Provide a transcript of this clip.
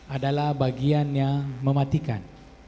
adalah bagian yang mematikan